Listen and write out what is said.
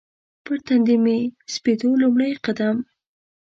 پر تندي مې سپېدو لومړی قدم